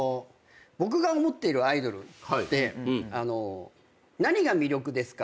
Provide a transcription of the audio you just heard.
僕が思っているアイドルって何が魅力ですか？